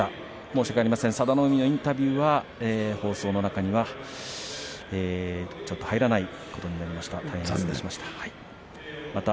申し訳ありません、佐田の海のインタビューは放送の中には、ちょっと入らないことになりました。